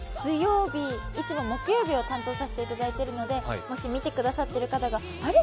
いつも木曜日を担当させていただいているのでもし見てくださっている方があれ？